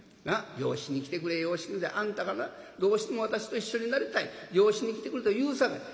養子に来てくれ養子にあんたがなどうしても私と一緒になりたい養子に来てくれと言うさかい。